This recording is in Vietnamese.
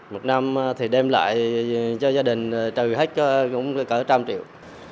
một năm thì đem lại cho gia đình trừ hết cũng cỡ trăm triệu